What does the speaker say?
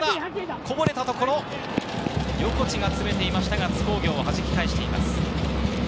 こぼれたところ、横地が詰めていましたが、津工業、はじき返しています。